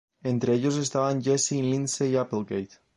Entre ellos estaban Jesse y Lindsay Applegate.